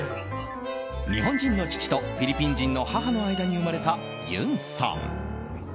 日本人の父とフィリピン人の母の間に生まれたゆんさん。